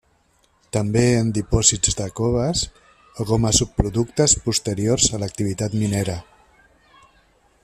També en dipòsits de coves o com a subproductes posteriors a l'activitat minera.